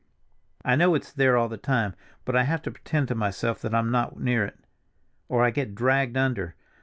I know it's there all the time, but I have to pretend to myself that I'm not near it, or I get dragged under.